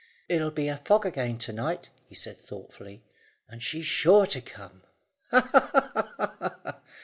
"It'll be a fog again to night," he said thoughtfully, "and she's sure to come. Ha, ha, ha!"